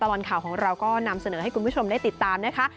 ตลอดข่าวของเราก็นำเสนอให้คุณผู้ชมได้ติดตามนะคะ